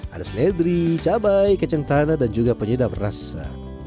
ada seledri cabai kecengtana dan juga penyedap rasa